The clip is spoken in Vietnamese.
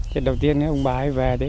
trên đầu tiên ông bà ấy về